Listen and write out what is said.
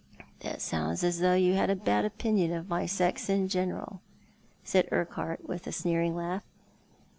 '■' That sounds as if you had a bad opinion of my sex in general," said Urquhart, with a sneering laugh.